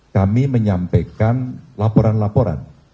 kami menyampaikan laporan laporan